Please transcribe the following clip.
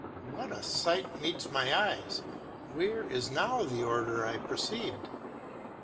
What a sight meets my eyes! Where is now the order I perceived?